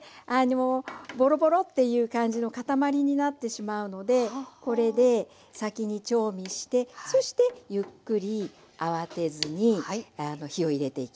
ぼろぼろっていう感じの固まりになってしまうのでこれで先に調味してそしてゆっくり慌てずに火を入れていきます。